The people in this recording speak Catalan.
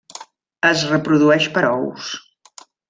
Es reprodueix per ous.